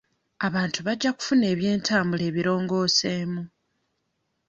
Abantu bajja kufuna eby'entambula ebirongoseemu.